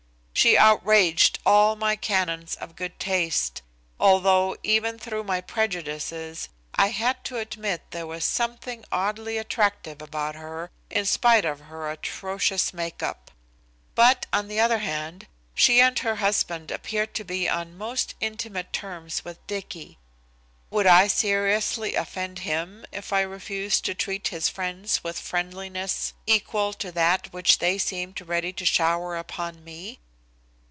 She outraged all my canons of good taste, although even through my prejudices I had to admit there was something oddly attractive about her in spite of her atrocious make up. But, on the other hand, she and her husband appeared to be on most intimate terms with Dicky. Would I seriously offend him if I refused to treat his friends with friendliness equal to that which they seemed ready to shower upon me?